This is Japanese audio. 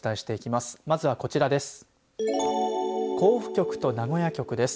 まずはこちらです。